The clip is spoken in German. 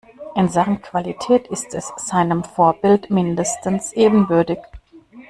In Sachen Qualität ist es seinem Vorbild mindestens ebenbürtig.